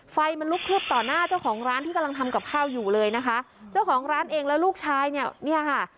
ไฟมันลุกคลืบต่อหน้าเจ้าของร้านที่กำลังทำกับข้าวอยู่เลยนะคะเจ้าของร้านเองแล้วลูกชายเนี่ยเนี่ยค่ะ